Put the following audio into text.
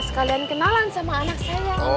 sekalian kenalan sama anak saya